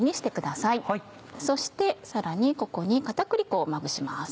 そしてさらにここに片栗粉をまぶします。